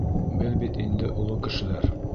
Беҙ бит инде оло кешеләр...